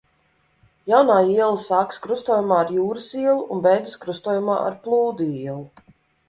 Jaunā iela sākas krustojumā ar Jūras ielu un beidzas krustojumā ar Plūdu ielu.